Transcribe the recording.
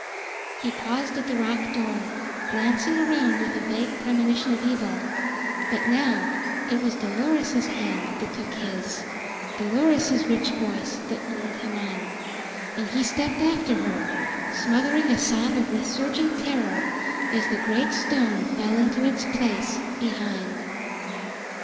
He paused at the rock door, glancing around with a vague premonition of evil; but now it was Dolores's hand that took his; Dolores's rich voice that lured him on; and he stepped after her, smothering a sob of resurging terror as the great stone fell into its place behind.